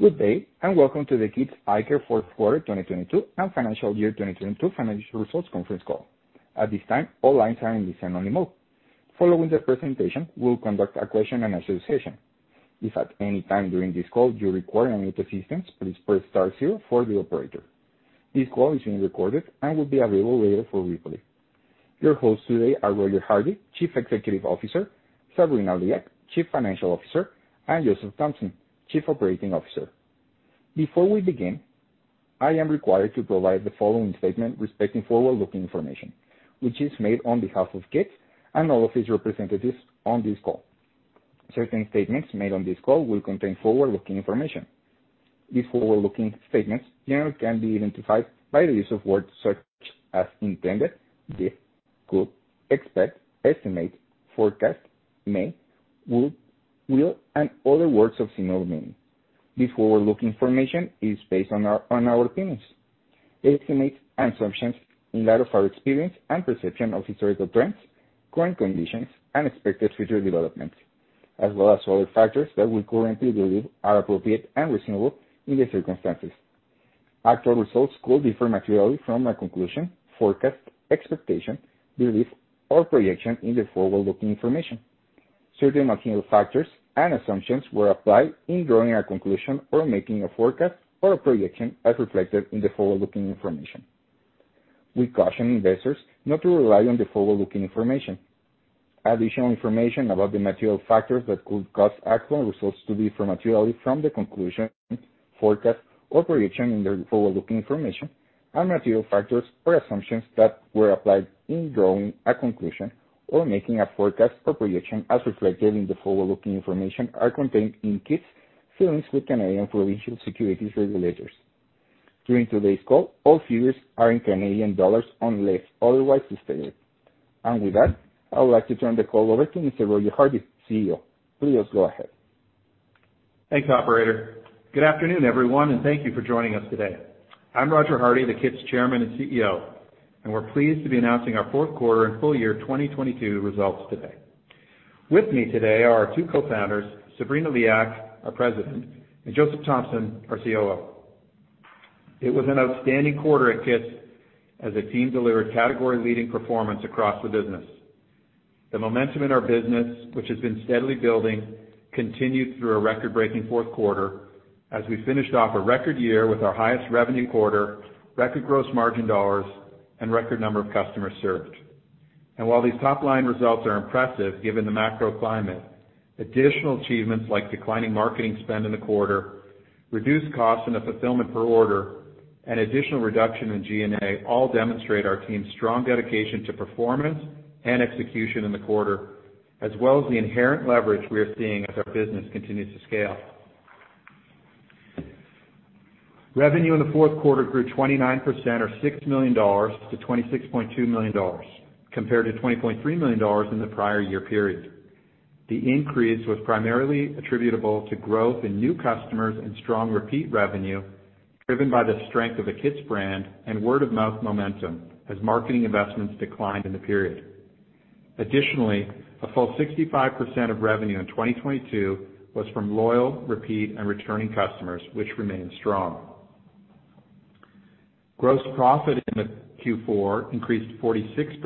Good day, and welcome to the KITS Eyecare fourth quarter 2022 and financial year 2022 financial results conference call. At this time, all lines are in listen-only mode. Following the presentation, we'll conduct a question-and-answer session. If at any time during this call you require any assistance, please press star zero for the operator. This call is being recorded and will be available later for replay. Your hosts today are Roger Hardy, Chief Executive Officer, Sabrina Liak, Chief Financial Officer, and Joseph Thompson, Chief Operating Officer. Before we begin, I am required to provide the following statement respecting forward-looking information, which is made on behalf of KITS and all of its representatives on this call. Certain statements made on this call will contain forward-looking information. These forward-looking statements generally can be identified by the use of words such as intended, this, could, expect, estimate, forecast, may, would, will, and other words of similar meaning. This forward-looking information is based on our opinions, estimates, and assumptions in light of our experience and perception of historical trends, current conditions, and expected future developments, as well as other factors that we currently believe are appropriate and reasonable in the circumstances. Actual results could differ materially from a conclusion, forecast, expectation, belief, or projection in the forward-looking information. Certain material factors and assumptions were applied in drawing a conclusion or making a forecast or a projection as reflected in the forward-looking information. We caution investors not to rely on the forward-looking information. Additional information about the material factors that could cause actual results to be materially from the conclusion, forecast, or projection in the forward-looking information and material factors or assumptions that were applied in drawing a conclusion or making a forecast or projection as reflected in the forward-looking information are contained in KITS' filings with Canadian provincial securities regulators. During today's call, all figures are in Canadian dollars unless otherwise stated. With that, I would like to turn the call over to Mr. Roger Hardy, CEO. Please go ahead. Thanks, operator. Good afternoon, everyone, thank you for joining us today. I'm Roger Hardy, the KITS chairman and CEO, and we're pleased to be announcing our fourth quarter and full year 2022 results today. With me today are our two co-founders, Sabrina Liak, our president, and Joseph Thompson, our COO. It was an outstanding quarter at KITS as the team delivered category-leading performance across the business. The momentum in our business, which has been steadily building, continued through a record-breaking fourth quarter as we finished off a record year with our highest revenue quarter, record gross margin dollars, and record number of customers served. While these top-line results are impressive given the macro climate, additional achievements like declining marketing spend in the quarter, reduced costs in the fulfillment per order, and additional reduction in G&A all demonstrate our team's strong dedication to performance and execution in the quarter, as well as the inherent leverage we are seeing as our business continues to scale. Revenue in the fourth quarter grew 29% or 6 million dollars to 26.2 million dollars, compared to 20.3 million dollars in the prior year period. The increase was primarily attributable to growth in new customers and strong repeat revenue, driven by the strength of the KITS brand and word-of-mouth momentum as marketing investments declined in the period. A full 65% of revenue in 2022 was from loyal, repeat, and returning customers, which remained strong. Gross profit in the Q4 increased 46%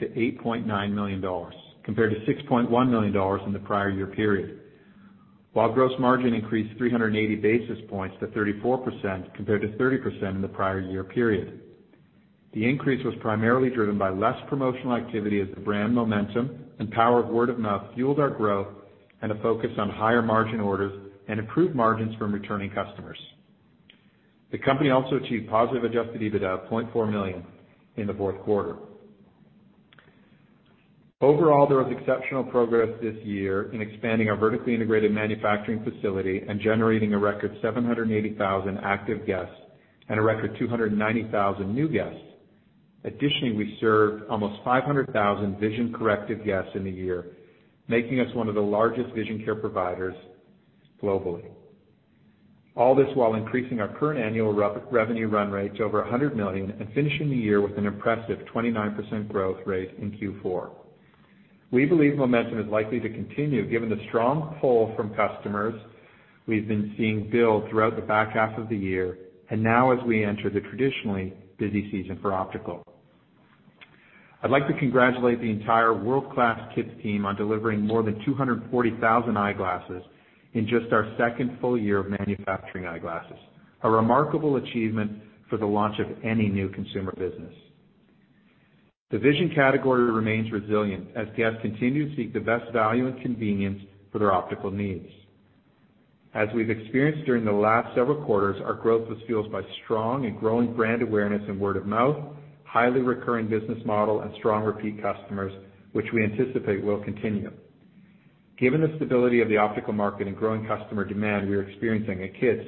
to 8.9 million dollars, compared to 6.1 million dollars in the prior year period. While gross margin increased 380 basis points to 34%, compared to 30% in the prior year period. The increase was primarily driven by less promotional activity as the brand momentum and power of word-of-mouth fueled our growth and a focus on higher margin orders and improved margins from returning customers. The company also achieved positive Adjusted EBITDA of 0.4 million in the fourth quarter. Overall, there was exceptional progress this year in expanding our vertically integrated manufacturing facility and generating a record 780,000 active guests and a record 290,000 new guests. Additionally, we served almost 500,000 vision corrective guests in the year, making us one of the largest vision care providers globally. All this while increasing our current annual re-revenue run rate to over 100 million and finishing the year with an impressive 29% growth rate in Q4. We believe momentum is likely to continue given the strong pull from customers we've been seeing build throughout the back half of the year and now as we enter the traditionally busy season for optical. I'd like to congratulate the entire world-class KITS team on delivering more than 240,000 eyeglasses in just our second full year of manufacturing eyeglasses, a remarkable achievement for the launch of any new consumer business. The vision category remains resilient as guests continue to seek the best value and convenience for their optical needs. As we've experienced during the last several quarters, our growth was fueled by strong and growing brand awareness and word-of-mouth, highly recurring business model, and strong repeat customers, which we anticipate will continue. Given the stability of the optical market and growing customer demand we are experiencing at KITS,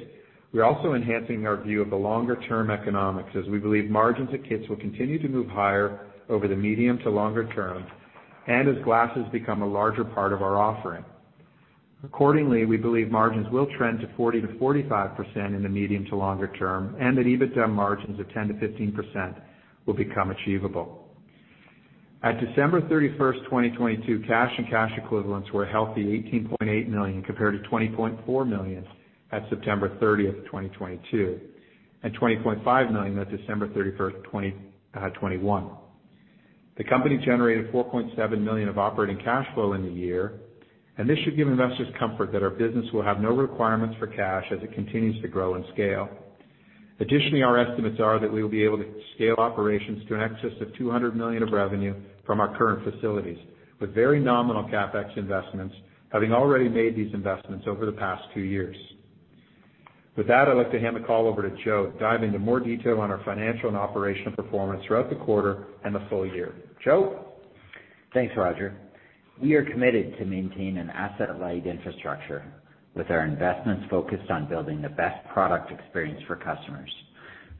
we're also enhancing our view of the longer-term economics as we believe margins at KITS will continue to move higher over the medium to longer term and as glasses become a larger part of our offering. Accordingly, we believe margins will trend to 40%-45% in the medium to longer term, and that EBITDA margins of 10%-15% will become achievable. At December 31st, 2022, cash and cash equivalents were a healthy 18.8 million compared to 20.4 million at September 30th, 2022, and 20.5 million at December 31st, 2021. The company generated 4.7 million of operating cash flow in the year, and this should give investors comfort that our business will have no requirements for cash as it continues to grow and scale. Additionally, our estimates are that we will be able to scale operations to in excess of 200 million of revenue from our current facilities, with very nominal CapEx investments, having already made these investments over the past two years. With that, I'd like to hand the call over to Joe to dive into more detail on our financial and operational performance throughout the quarter and the full year. Joe? Thanks, Roger. We are committed to maintain an asset-light infrastructure with our investments focused on building the best product experience for customers.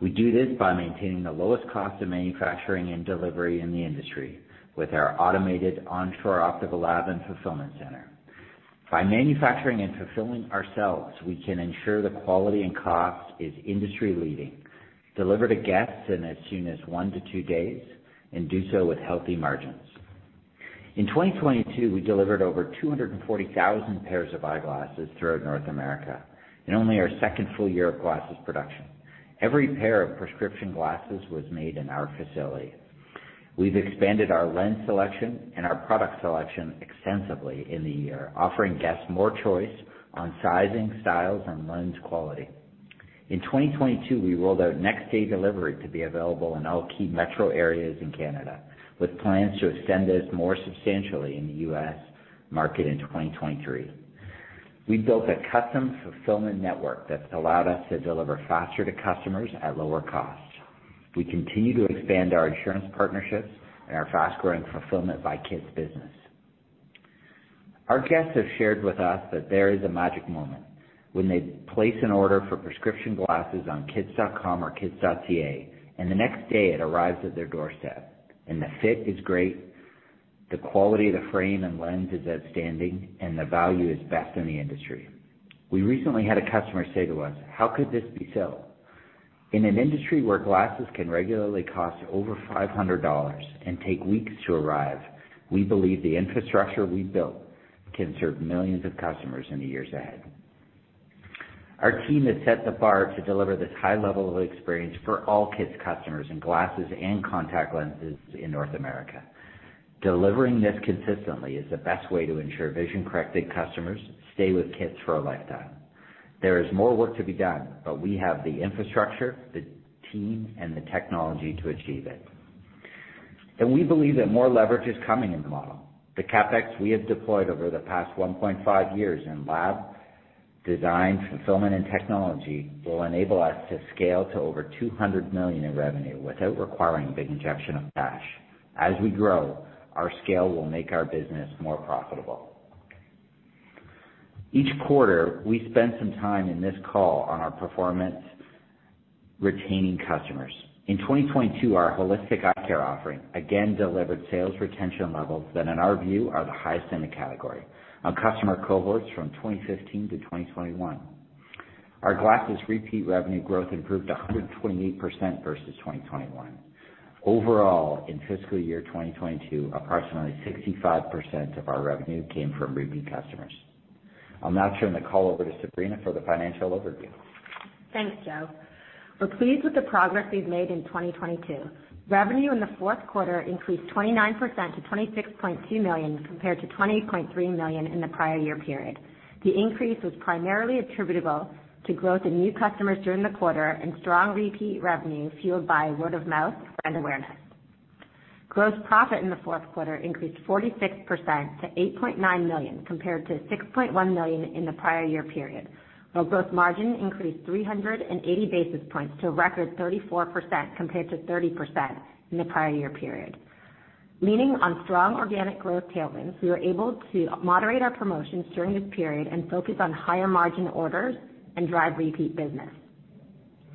We do this by maintaining the lowest cost of manufacturing and delivery in the industry with our automated on-shore optical lab and fulfillment center. By manufacturing and fulfilling ourselves, we can ensure the quality and cost is industry-leading, deliver to guests in as soon as one to two days, and do so with healthy margins. In 2022, we delivered over 240,000 pairs of eyeglasses throughout North America, in only our second full year of glasses production. Every pair of prescription glasses was made in our facility. We've expanded our lens selection and our product selection extensively in the year, offering guests more choice on sizing, styles, and lens quality. In 2022, we rolled out next-day delivery to be available in all key metro areas in Canada, with plans to extend this more substantially in the U.S. market in 2023. We built a custom fulfillment network that's allowed us to deliver faster to customers at lower costs. We continue to expand our insurance partnerships and our fast-growing Fulfillment by KITS business. Our guests have shared with us that there is a magic moment when they place an order for prescription glasses on kits.com or kits.ca, and the next day it arrives at their doorstep, and the fit is great, the quality of the frame and lens is outstanding, and the value is best in the industry. We recently had a customer say to us, "How could this be so?" In an industry where glasses can regularly cost over 500 dollars and take weeks to arrive, we believe the infrastructure we built can serve millions of customers in the years ahead. Our team has set the bar to deliver this high level of experience for all KITS customers in glasses and contact lenses in North America. Delivering this consistently is the best way to ensure vision-corrected customers stay with KITS for a lifetime. There is more work to be done, but we have the infrastructure, the team, and the technology to achieve it. We believe that more leverage is coming in the model. The CapEx we have deployed over the past 1.5 years in lab, design, fulfillment, and technology will enable us to scale to over 200 million in revenue without requiring a big injection of cash. As we grow, our scale will make our business more profitable. Each quarter, we spend some time in this call on our performance retaining customers. In 2022, our holistic eye care offering again delivered sales retention levels that, in our view, are the highest in the category on customer cohorts from 2015-2021. Our glasses repeat revenue growth improved 128% versus 2021. Overall, in fiscal year 2022, approximately 65% of our revenue came from repeat customers. I'll now turn the call over to Sabrina for the financial overview. Thanks, Joe. We're pleased with the progress we've made in 2022. Revenue in the fourth quarter increased 29% to 26.2 million compared to 20.3 million in the prior year period. The increase was primarily attributable to growth in new customers during the quarter and strong repeat revenue fueled by word-of-mouth brand awareness. Gross profit in the fourth quarter increased 46% to 8.9 million compared to 6.1 million in the prior year period, while gross margin increased 380 basis points to a record 34% compared to 30% in the prior year period. Leaning on strong organic growth tailwinds, we were able to moderate our promotions during this period and focus on higher margin orders and drive repeat business.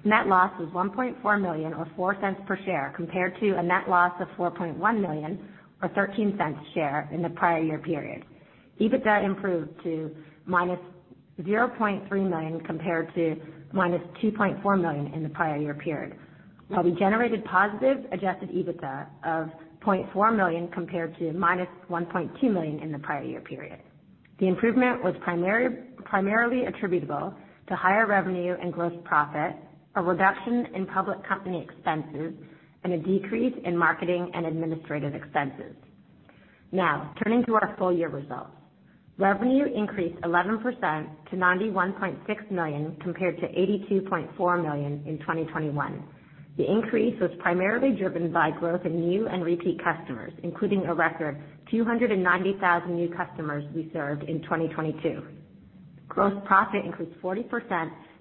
Net loss was 1.4 million or 0.04 per share compared to a net loss of 4.1 million or 0.13 a share in the prior year period. EBITDA improved to -0.3 million compared to -2.4 million in the prior year period, while we generated positive Adjusted EBITDA of 0.4 million compared to -1.2 million in the prior year period. The improvement was primarily attributable to higher revenue and gross profit, a reduction in public company expenses, and a decrease in marketing and administrative expenses. Turning to our full year results. Revenue increased 11% to 91.6 million compared to 82.4 million in 2021. The increase was primarily driven by growth in new and repeat customers, including a record 290,000 new customers we served in 2022. Gross profit increased 40%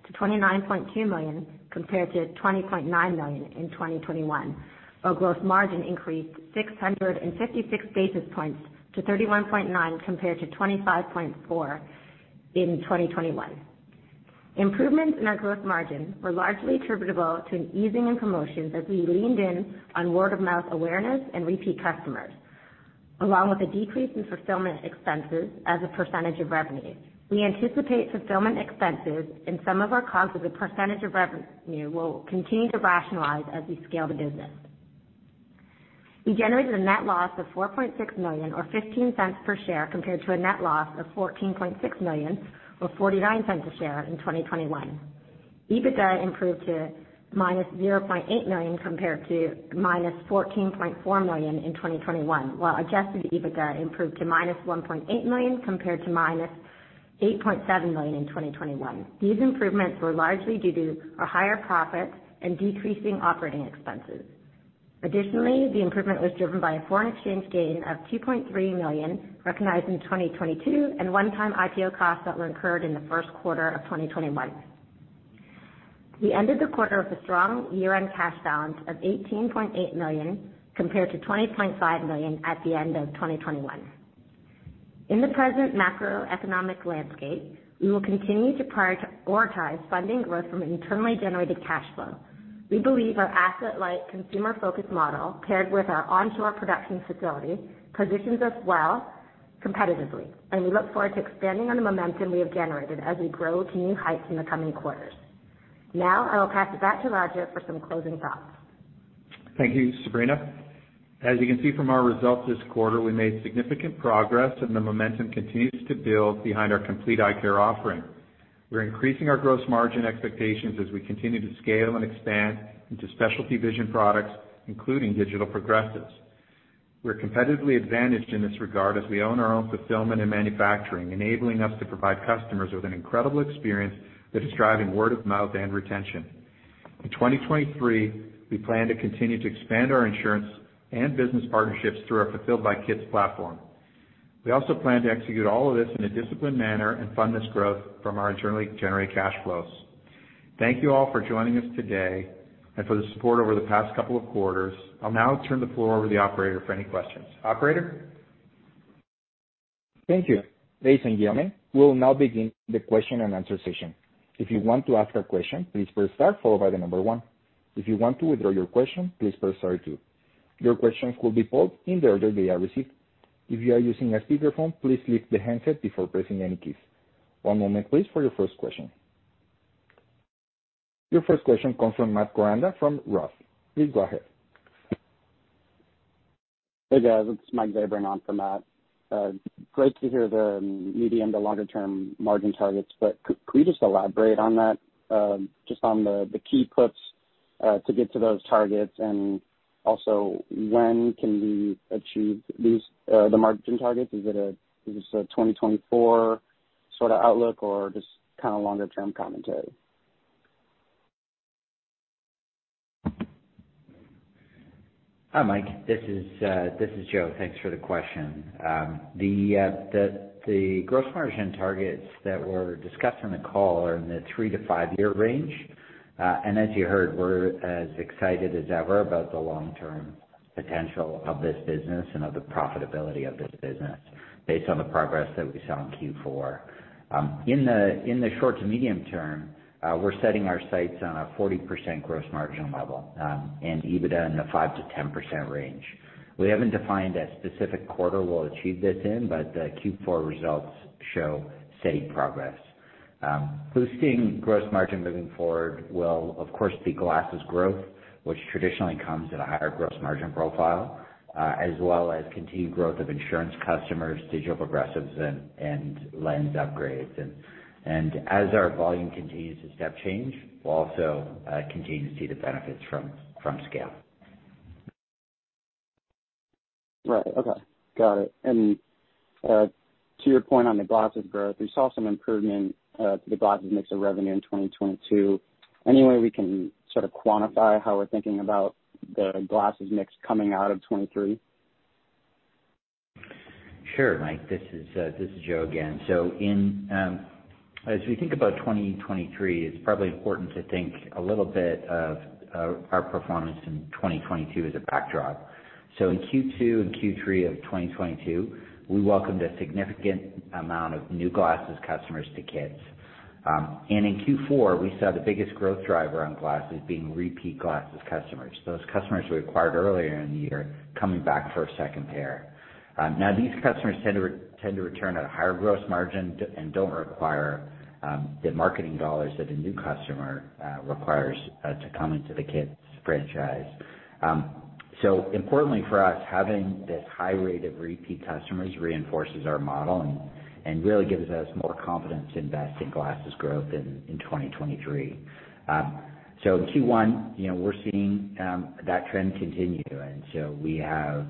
to 29.2 million compared to 20.9 million in 2021, while gross margin increased 656 basis points to 31.9% compared to 25.4% in 2021. Improvements in our gross margin were largely attributable to an easing in promotions as we leaned in on word-of-mouth awareness and repeat customers. Along with a decrease in fulfillment expenses as a percentage of revenue. We anticipate fulfillment expenses in some of our costs as a percentage of revenue will continue to rationalize as we scale the business. We generated a net loss of 4.6 million or 0.15 per share, compared to a net loss of 14.6 million or 0.49 a share in 2021. EBITDA improved to -0.8 million compared to -14.4 million in 2021, while Adjusted EBITDA improved to -1.8 million compared to -8.7 million in 2021. These improvements were largely due to our higher profits and decreasing operating expenses. The improvement was driven by a foreign exchange gain of 2.3 million recognized in 2022 and one-time IPO costs that were incurred in the first quarter of 2021. We ended the quarter with a strong year-end cash balance of 18.8 million compared to 20.5 million at the end of 2021. In the present macroeconomic landscape, we will continue to prioritize funding growth from internally generated cash flow. We believe our asset-light, consumer-focused model, paired with our onshore production facility, positions us well competitively, and we look forward to expanding on the momentum we have generated as we grow to new heights in the coming quarters. Now I will pass it back to Roger for some closing thoughts. Thank you, Sabrina. As you can see from our results this quarter, we made significant progress, and the momentum continues to build behind our complete eye care offering. We're increasing our gross margin expectations as we continue to scale and expand into specialty vision products, including digital progressives. We're competitively advantaged in this regard as we own our own fulfillment and manufacturing, enabling us to provide customers with an incredible experience that is driving word-of-mouth and retention. In 2023, we plan to continue to expand our insurance and business partnerships through our Fulfillment by KITS platform. We also plan to execute all of this in a disciplined manner and fund this growth from our internally generated cash flows. Thank you all for joining us today and for the support over the past couple of quarters. I'll now turn the floor over to the operator for any questions. Operator? Thank you. Ladies and gentlemen, we will now begin the question-and-answer session. If you want to ask a question, please press star followed by the number one. If you want to withdraw your question, please press star two. Your questions will be posed in the order they are received. If you are using a speakerphone, please lift the handset before pressing any keys. One moment please for your first question. Your first question comes from Matt Koranda from ROTH. Please go ahead. Hey, guys. It's Mike today, bringing on for Matt. Great to hear the medium to longer term margin targets, could you just elaborate on that, just on the key puts to get to those targets, and also when can we achieve these the margin targets? Is this a 2024 sorta outlook or just kinda longer term commentary? Hi, Mike. This is Joe. Thanks for the question. The gross margin targets that were discussed on the call are in the three-five year range. As you heard, we're as excited as ever about the long-term potential of this business and of the profitability of this business based on the progress that we saw in Q4. In the short to medium term, we're setting our sights on a 40% gross margin level, and EBITDA in the 5%-10% range. We haven't defined a specific quarter we'll achieve this in, but the Q4 results show steady progress. Boosting gross margin moving forward will of course be glasses growth, which traditionally comes at a higher gross margin profile, as well as continued growth of insurance customers, digital progressives and lens upgrades. As our volume continues to step change, we'll also continue to see the benefits from scale. Right. Okay. Got it. To your point on the glasses growth, we saw some improvement, to the glasses mix of revenue in 2022. Any way we can sort of quantify how we're thinking about the glasses mix coming out of 2023? Sure, Mike. This is Joe again. In, as we think about 2023, it's probably important to think a little bit of our performance in 2022 as a backdrop. In Q2 and Q3 of 2022, we welcomed a significant amount of new glasses customers to KITS. In Q4, we saw the biggest growth driver on glasses being repeat glasses customers, those customers we acquired earlier in the year coming back for a second pair. Now these customers tend to return at a higher gross margin and don't require the marketing dollars that a new customer requires to come into the KITS franchise. Importantly for us, having this high rate of repeat customers reinforces our model and really gives us more confidence to invest in glasses growth in 2023. In Q1, you know, we're seeing that trend continue. We have,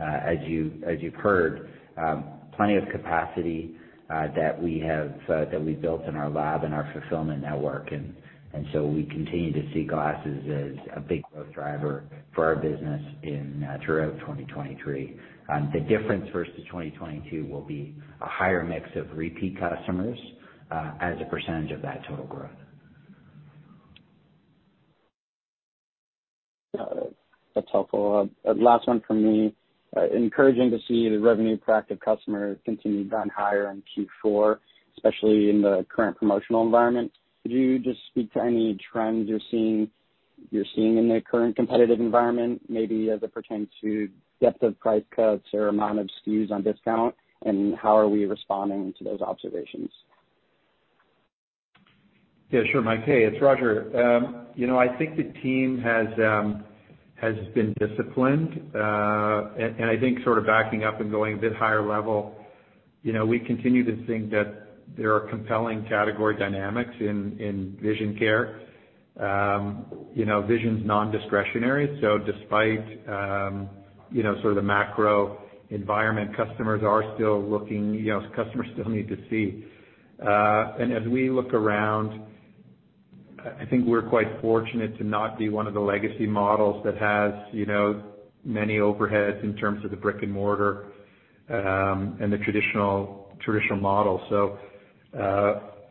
as you've heard, plenty of capacity that we have that we built in our lab and our fulfillment network. We continue to see glasses as a big growth driver for our business throughout 2023. The difference versus 2022 will be a higher mix of repeat customers as a percentage of that total growth. Got it. That's helpful. Last one from me. Encouraging to see the revenue per active customer continued on higher in Q4, especially in the current promotional environment. Could you just speak to any trends you're seeing in the current competitive environment, maybe as it pertains to depth of price cuts or amount of SKUs on discount, and how are we responding to those observations? Yeah, sure, Mike. Hey, it's Roger. You know, I think the team has been disciplined. I think sorta backing up and going a bit higher level, you know, we continue to think that there are compelling category dynamics in vision care. You know, vision's non-discretionary, so despite, you know, sort of the macro environment, customers are still looking, you know, customers still need to see. And as we look around, I think we're quite fortunate to not be one of the legacy models that has, you know, many overheads in terms of the brick-and-mortar, and the traditional model.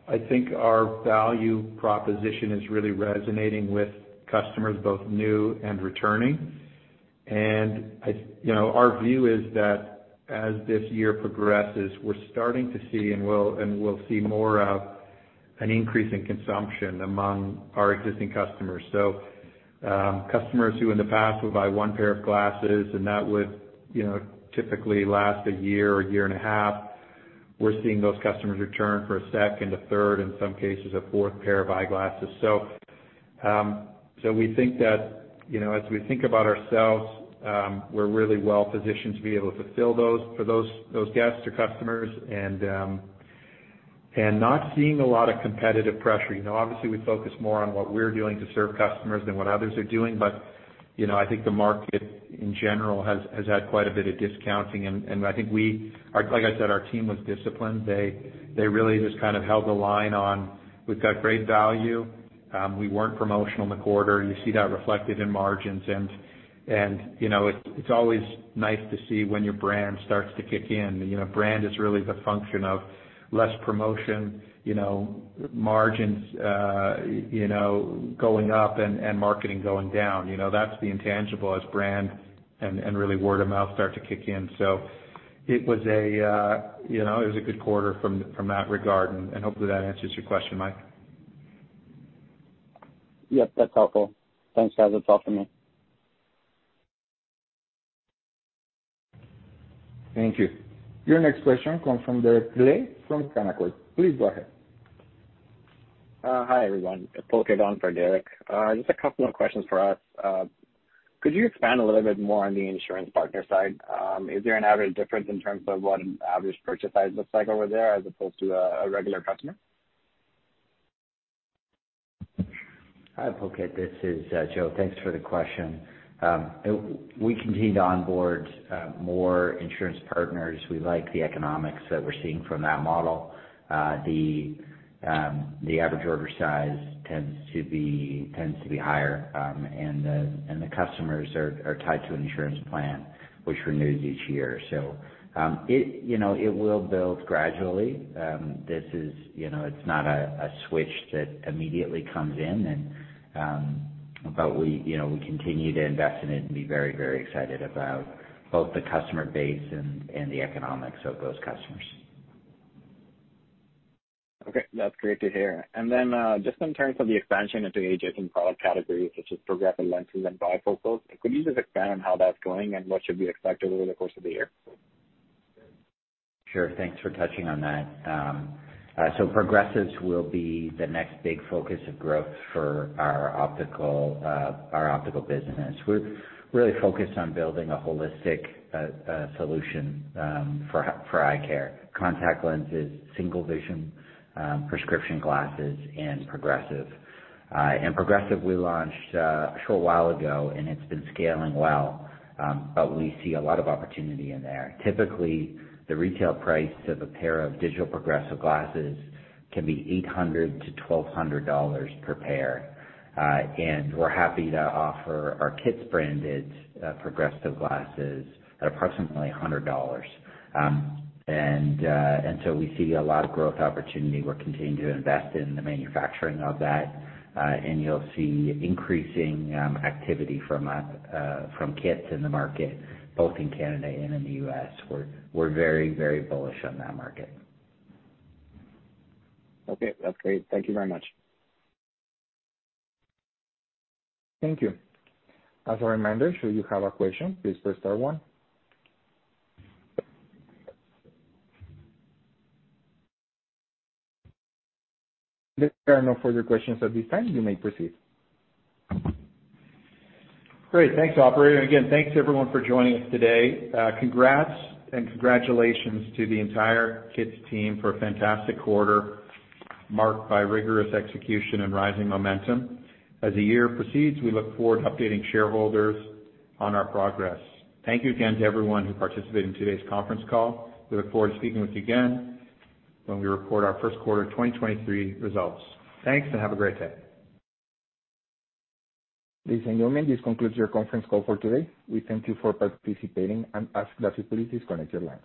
I think our value proposition is really resonating with customers, both new and returning. I, you know, our view is that as this year progresses, we're starting to see, and we'll, and we'll see more of an increase in consumption among our existing customers. Customers who in the past would buy one pair of glasses, and that would, you know, typically last a year or year and a half, we're seeing those customers return for a second, a third, in some cases, a fourth pair of eyeglasses. We think that, you know, as we think about ourselves, we're really well-positioned to be able to fulfill those for those guests or customers and not seeing a lot of competitive pressure. You know, obviously, we focus more on what we're doing to serve customers than what others are doing. You know, I think the market, in general, has had quite a bit of discounting. Like I said, our team was disciplined. They really just kind of held the line on, we've got great value. We weren't promotional in the quarter. You see that reflected in margins. You know, it's always nice to see when your brand starts to kick in. You know, brand is really the function of less promotion, you know, margins, you know, going up and marketing going down. You know, that's the intangible as brand and really word-of-mouth start to kick in. It was a, you know, it was a good quarter from that regard, and hopefully that answers your question, Mike. Yep, that's helpful. Thanks, guys. That's all for me. Thank you. Your next question comes from Derek Dley from Canaccord. Please go ahead. Hi, everyone. It's Pulkit on for Derek. Just a couple of questions for us. Could you expand a little bit more on the insurance partner side? Is there an average difference in terms of what an average purchase size looks like over there as opposed to a regular customer? Hi, Pulkit. This is Joe. Thanks for the question. We continued to onboard more insurance partners. We like the economics that we're seeing from that model. The average order size tends to be higher, and the customers are tied to an insurance plan which renews each year. it, you know, it will build gradually. This is, you know, it's not a switch that immediately comes in and, but we, you know, we continue to invest in it and be very, very excited about both the customer base and the economics of those customers. Okay. That's great to hear. Just in terms of the expansion into adjacent product categories such as progressive lenses and bifocals, could you just expand on how that's going and what should be expected over the course of the year? Sure. Thanks for touching on that. Progressives will be the next big focus of growth for our optical, our optical business. We're really focused on building a holistic solution for eye care, contact lenses, single vision, prescription glasses, and progressive. Progressive we launched a short while ago, and it's been scaling well, we see a lot of opportunity in there. Typically, the retail price of a pair of digital progressive glasses can be 800-1,200 dollars per pair. We're happy to offer our KITS branded progressive glasses at approximately 100 dollars. We see a lot of growth opportunity. We're continuing to invest in the manufacturing of that, and you'll see increasing activity from KITS in the market, both in Canada and in the U.S. We're very, very bullish on that market. Okay. That's great. Thank you very much. Thank you. As a reminder, should you have a question, please press star one. There are no further questions at this time. You may proceed. Great. Thanks, operator. Again, thanks everyone for joining us today. Congrats and congratulations to the entire KITS team for a fantastic quarter marked by rigorous execution and rising momentum. As the year proceeds, we look forward to updating shareholders on our progress. Thank you again to everyone who participated in today's conference call. We look forward to speaking with you again when we report our first quarter 2023 results. Thanks, have a great day. Ladies and gentlemen, this concludes your conference call for today. We thank you for participating and ask that you please disconnect your lines.